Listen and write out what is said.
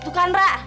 itu kan ra